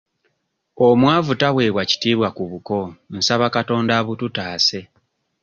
Omwavu taweebwa kitiibwa ku buko nsaba Katonda abututaase.